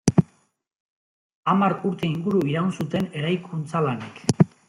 Hamar urte inguru iraun zuten eraikuntza lanek.